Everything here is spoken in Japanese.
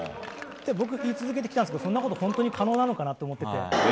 僕、言い続けてきたんですけどそんなこと本当に可能なのかなと思っていて。